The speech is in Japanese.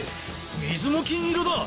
水も金色だ！